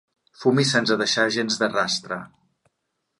Fumis sense deixar gens de rastre.